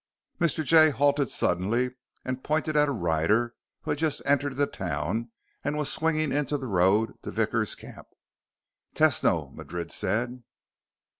Mr. Jay halted suddenly and pointed at a rider who had just entered the town and was swinging into the road to Vickers' camp. "Tesno!" Madrid said.